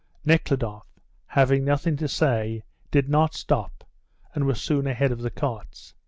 Nekhludoff, having nothing to say, did not stop, and was soon ahead of the carts.